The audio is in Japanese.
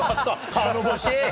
頼もしい。